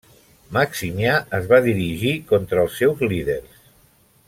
Maximià es va dirigir contra els seus líders.